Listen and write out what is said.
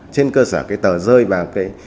trên cơ sở cái tờ rơi và cái